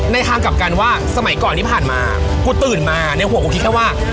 ทางกลับกันว่าสมัยก่อนที่ผ่านมากูตื่นมาในหัวกูคิดแค่ว่า